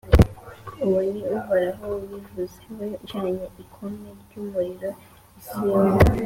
Uwo ni Uhoraho ubivuze, we ucanye ikome ry’umuriro i Siyoni,